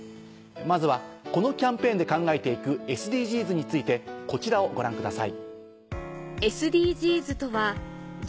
まずはこのキャンペーンで考えて行くＳＤＧｓについてこちらをご覧ください。